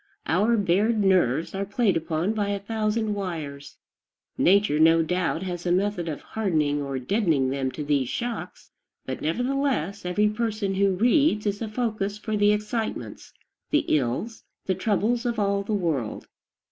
Our bared nerves are played upon by a thousand wires. Nature, no doubt, has a method of hardening or deadening them to these shocks; but nevertheless, every person who reads is a focus for the excitements, the ills, the troubles, of all the world.